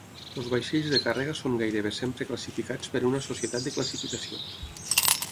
Els vaixells de càrrega són gairebé sempre classificats per una societat de classificació.